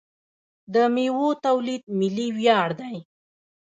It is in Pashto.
د میوو تولید ملي ویاړ دی.